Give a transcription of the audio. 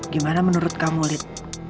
gimana menurut kamu lit